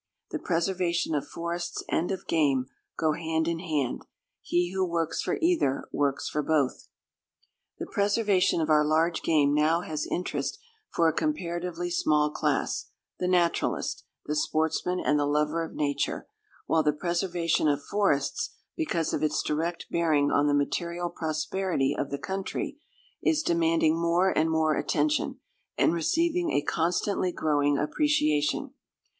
The preservation of forests and of game go hand in hand. He who works for either works for both. The preservation of our large game now has interest for a comparatively small class the naturalist, the sportsman, and the lover of nature; while the preservation of forests, because of its direct bearing on the material prosperity of the country, is demanding more and more attention, and receiving a constantly growing appreciation.